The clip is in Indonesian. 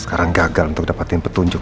sekarang gagal untuk dapetin petunjuk